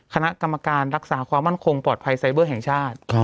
คณะกรรมการรักษาความมั่นคงปลอดภัยไซเบอร์แห่งชาติ